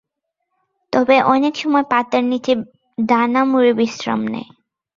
তবে অনেকসময় পাতার নিচে ডানা মুড়ে বিশ্রাম নেয়।